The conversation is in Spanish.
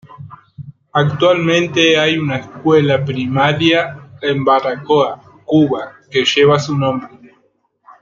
Actualmente hay una escuela Primaria en Baracoa, Cuba, que lleva su nombre.